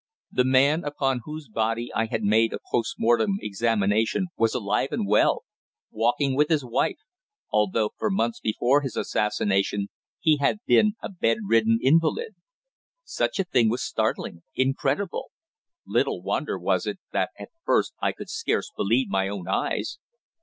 The man upon whose body I had made a post mortem examination was alive and well, walking with his wife, although for months before his assassination he had been a bed ridden invalid. Such a thing was startling, incredible! Little wonder was it that at first I could scarce believe my own eyes.